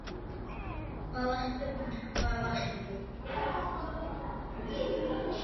ბალახები და ბუჩქბალახებია.